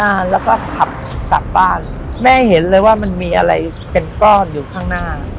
มาแล้วก็ขับกลับบ้านแม่เห็นเลยว่ามันมีอะไรเป็นก้อนอยู่ข้างหน้า